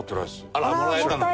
あら。もらえたのに。